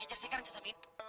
kejar sekarang cak semin